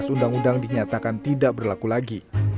sebelas undang undang dinyatakan tidak berlaku lagi